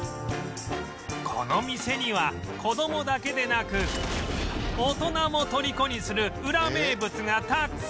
この店には子どもだけでなく大人も虜にするウラ名物がたくさん